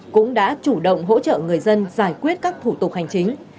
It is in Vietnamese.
cũng đã chủ động hỗ trợ người dân giải quyết các thủ tục hành chính